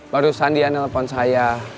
barusan dia nelpon saya